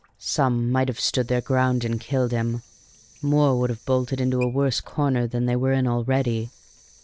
Some might have stood their ground and killed him; more would have bolted into a worse corner than they were in already.